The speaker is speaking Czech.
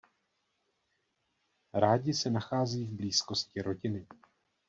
Rádi se nachází v blízkosti rodiny.